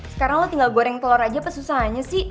sekarang lo tinggal goreng telur aja apa susahnya sih